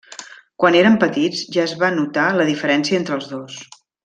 Quan eren petits ja es va notar la diferència entre els dos.